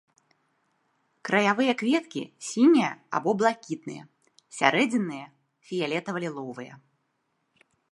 Краявыя кветкі сінія або блакітныя, сярэдзінныя фіялетава-ліловыя.